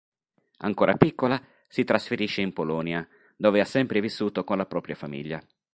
Ancora piccola, si trasferisce in Polonia dove ha sempre vissuto con la propria famiglia.